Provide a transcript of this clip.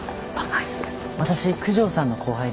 はい。